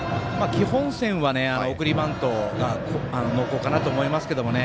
基本線は送りバントが濃厚かなと思いますけどね